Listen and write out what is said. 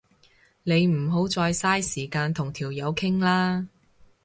你唔好再嘥時間同條友傾啦